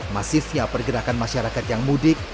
masifnya pergerakan masyarakat yang mudik